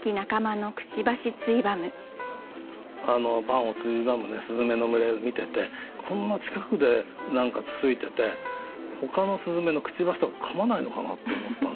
パンをついばむスズメの群れ見ててこんな近くで何かつついててほかのスズメのくちばしとかかまないのかなって思った。